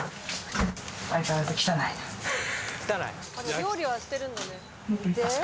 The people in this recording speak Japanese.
料理はしてるんだね。